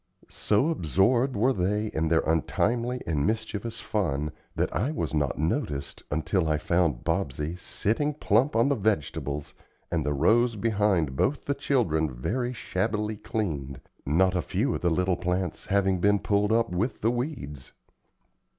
So absorbed were they in their untimely and mischievous fun that I was not noticed until I found Bobsey sitting plump on the vegetables, and the rows behind both the children very shabbily cleaned, not a few of the little plants having been pulled up with the weeds.